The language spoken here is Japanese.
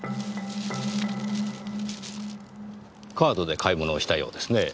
カードで買い物をしたようですねぇ。